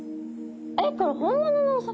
えっこれ本物のお魚？